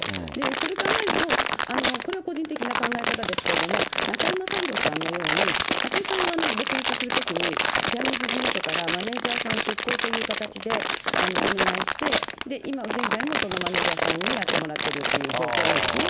それ考えると、これは個人的な考え方ですけれども、中居正広さんのように、中居さんは独立するときに、ジャニーズ事務所からマネージャーさんを出向という形でお願いして、今現在もそのマネージャーさんにやってもらってるという状況なんですね。